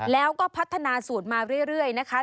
แล้วก็พัฒนาสูตรมาเรื่อยนะคะ